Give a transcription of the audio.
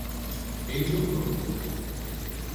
এই জন্য।